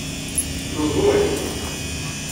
Neẓẓul.